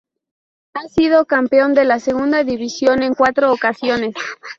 Ha sido campeón de la Segunda División en cuatro ocasiones.